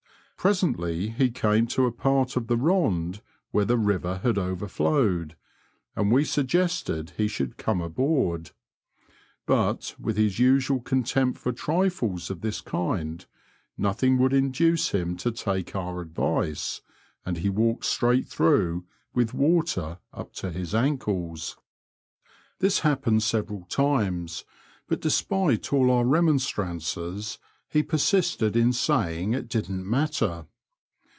Presently he came to a part of the rond where the river had overflowed, and we suggested he should come aboard ; but with his usual contempt for trifles of this kind,. Digitized by VjOOQIC POTTEB HEIGHAM 10 ACLE. 107 nothing would induce him to take our advice, and he walked straight through, with water up to his ankles. This hap pened several times, but despite all our remonstrances he persisted in saying it didn*t matter.